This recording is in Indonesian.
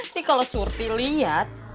ini kalau surti lihat